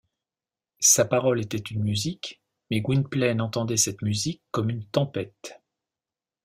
Sa parole était une musique, mais Gwynplaine entendait cette musique comme une tempête.